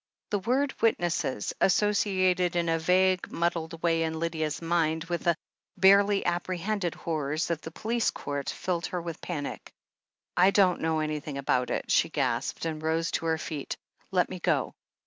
The word "witnesses," associated in a vague, mud dled way in Lydia's mind with the barely apprehended horrors of the police court, filled her with panic. "I don't know anything about it," she gasped, and rose to her feet. "Let me go."